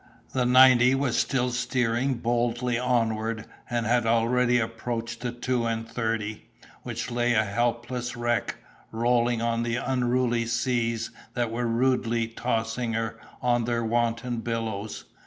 The ninety was still steering boldly onward, and had already approached the two and thirty, which lay a helpless wreck, rolling on the unruly seas that were rudely tossing her on their wanton billows.